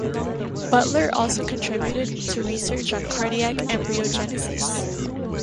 Butler also contributed to research on cardiac embryogenesis.